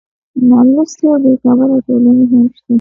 نالوستې او بېخبره ټولنې هم شته.